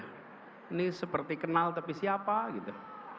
ini seperti kenal tapi siapa gitu